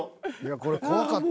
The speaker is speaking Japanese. ［これ怖かった］